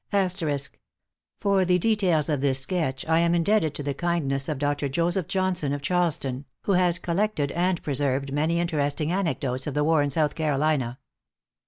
* For the details of this sketch I am indebted to the kindness of Dr. Joseph Johnson, of Charleston, who has collected and preserved many interesting anecdotes of the war in South Carolina.